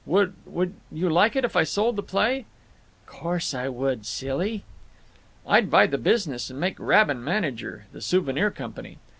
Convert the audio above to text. Would—would you like it if I sold the play?" "Course I would, silly!" "I'd buy the business and make Rabin manager—the Souvenir Company.